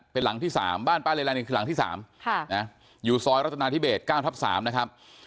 เป็นหลังที่๓บ้านป้าเลไลเนี่ยคือหลังที่๓อยู่ซอยรัฐนาธิเบส๙ทับ๓นะครับ